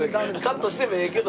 カットしてもええけど。